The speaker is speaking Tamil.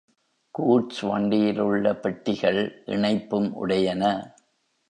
கூட்ஸ் வண்டியில் உள்ள பெட்டிகள் இணைப்பும் உடையன.